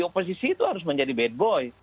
oposisi itu harus menjadi bad boy